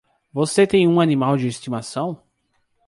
Você tem um animal de estimação?